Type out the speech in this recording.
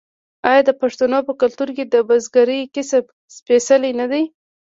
آیا د پښتنو په کلتور کې د بزګرۍ کسب سپیڅلی نه دی؟